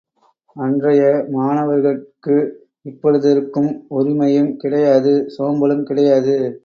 அன்றைய மாணவர்கட்கு இப்பொழுதிருக்கும் உரிமையும் கிடையாது சோம்பலும் கிடையாது.